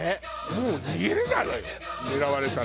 もう逃げれないわよ狙われたら。